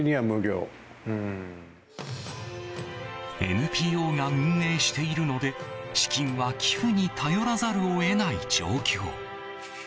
ＮＰＯが運営しているので資金は寄付に頼らざるを得ない状況。